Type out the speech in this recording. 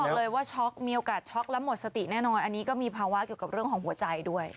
บอกเลยว่าช็อกมีโอกาสช็อกและหมดสติแน่นอนอันนี้ก็มีภาวะเกี่ยวกับเรื่องของหัวใจด้วย